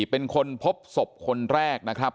เป็นคนพบศพคนแรกนะครับ